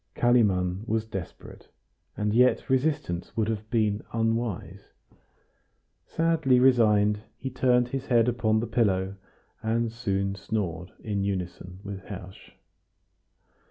Kalimann was desperate, and yet resistance would have been unwise. Sadly resigned, he turned his head upon the pillow, and soon snored in unison with Hersch.